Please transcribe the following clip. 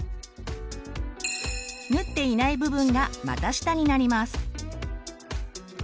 縫っていない部分が股下になります。